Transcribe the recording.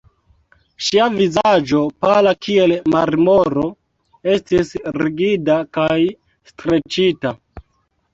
Ŝia vizaĝo, pala kiel marmoro, estis rigida kaj streĉita.